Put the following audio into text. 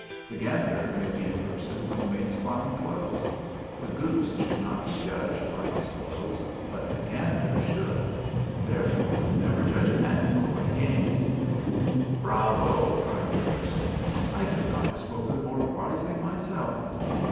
The gander may be a person who makes fine clothes. The goose should not be judged by his clothes, but the gander should; therefore, never judge a man for what he ain't." "Bravo!" cried Jurgurson. "I could not have spoken more wisely myself."